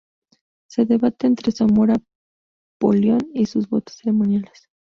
Se debate entre su amor a Polión y sus votos ceremoniales.